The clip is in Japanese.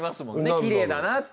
きれいだなって。